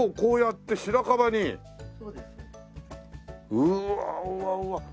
うわうわうわ。